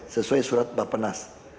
sesuai surat bapak penas